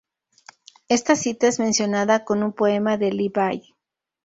Esta cita es mencionada en un poema de Li Bai.